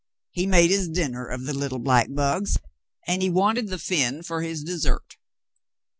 He made his dinner off the little black bugs, and he wanted the fin for his dessert."